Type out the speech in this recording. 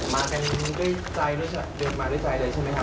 มากันมึงก็ดื่มมาด้วยใจเลยใช่มั้ยครับ